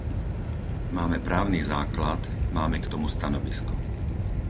Máme právny základ, máme k tomu stanovisko.